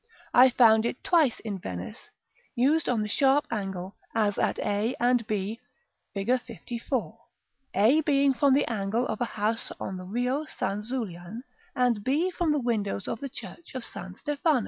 I found it twice in Venice, used on the sharp angle, as at a and b, Fig. LIV., a being from the angle of a house on the Rio San Zulian, and b from the windows of the church of San Stefano.